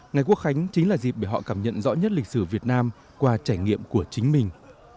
ngày quốc khánh chính là dịp để họ cảm nhận rõ nhất lịch sử việt nam qua trải nghiệm của chính mình